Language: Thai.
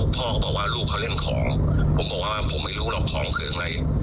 พ่อก็บอกว่าลูกเขาเล่นของผมบอกว่าผมไม่รู้หรอกของคืออะไร